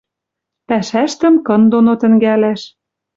Пӓшӓштӹм кын доно тӹнгӓлӓш.